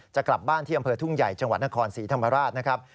จะกลับบ้านที่อำเภอทุ่งใหญ่จังหวัดนครศรีธรรมราชนะครับ